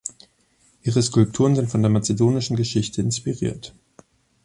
Ihre Skulpturen sind von der mazedonischen Geschichte inspiriert.